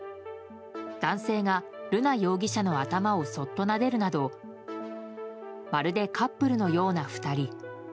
男性が瑠奈容疑者の頭をそっとなでるなどまるで、カップルのような２人。